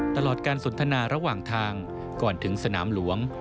ตลอดการสนทนาระหว่างทางก่อนถึงสนามหลวง